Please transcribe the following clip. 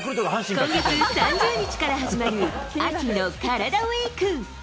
今月３０日から始まる秋のカラダＷＥＥＫ。